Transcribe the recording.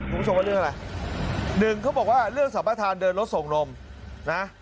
คุณผู้ชมว่าเรื่องอะไรหนึ่งเขาบอกว่าเรื่องสรรพทานเดินรถส่งนมนะ